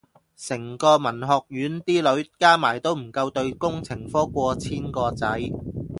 成個文學院啲女加埋都唔夠對工程科過千個仔